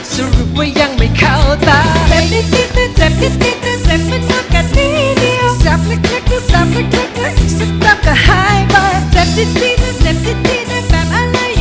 สัมเพียงจะรองเพลงหนูได้ไหมเนี่ย